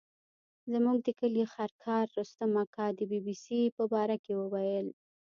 زموږ د کلي خرکار رستم اکا د بي بي سي په باره کې ویل.